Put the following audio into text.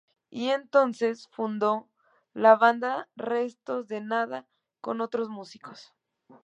Y entonces, fundó la banda Restos de Nada con otros músicos.